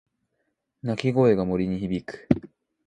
鳴き声が森に響く。